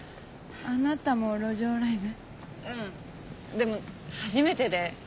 でも初めてで。